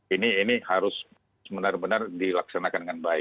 ini harus benar benar dilaksanakan dengan baik